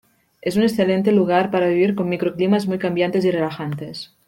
Es un excelente lugar para vivir con micro climas muy cambiantes y relajantes.